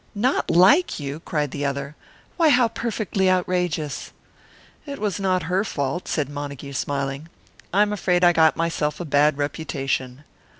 "Not like you!" cried the other. "Why, how perfectly outrageous!" "It was not her fault," said Montague, smiling; "I am afraid I got myself a bad reputation."